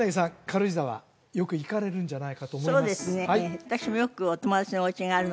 軽井沢よく行かれるんじゃないかと思いますそうですねええ